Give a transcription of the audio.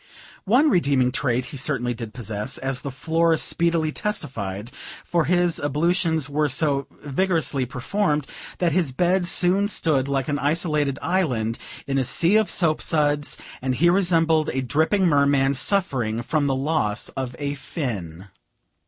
One redeeming trait he certainly did possess, as the floor speedily testified; for his ablutions were so vigorously performed, that his bed soon stood like an isolated island, in a sea of soap suds, and he resembled a dripping merman, suffering from the loss of a fin.